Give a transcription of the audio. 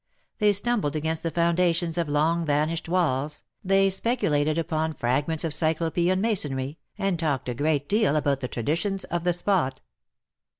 They stumbled against the foundations of long vanished walls, they speculated upon fragments of cyclopean masonry, and talked a great deal about the traditions of the spot.